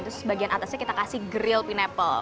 terus bagian atasnya kita kasih grill pinaple